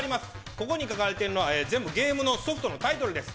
ここに書かれているのは全部ゲームソフトのタイトルです。